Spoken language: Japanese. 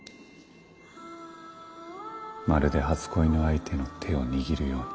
まるで初恋の相手の手を握るように。